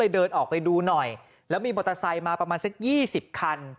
เดินออกไปดูหน่อยแล้วมีมอเตอร์ไซค์มาประมาณสัก๒๐คัน